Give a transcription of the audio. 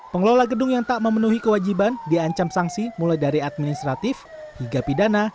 pengelola gedung yang tak memenuhi kewajiban diancam sanksi mulai dari administratif hingga pidana